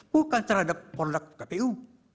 bukan terhadap produk kpu